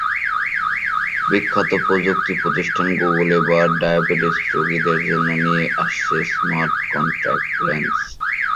বিখ্যাত প্রযুক্তি প্রতিষ্ঠান গুগল এবার ডায়াবেটিস রোগীদের জন্য নিয়ে আসছে স্মার্ট কনট্যাক্ট লেন্স।